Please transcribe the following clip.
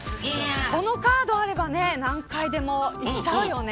このカードがあれば、何回でも行っちゃうよね。